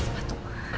siapa sih cu